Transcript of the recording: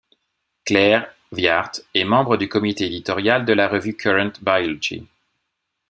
Claire Wyart est membre du comité éditorial de la revue Current Biology.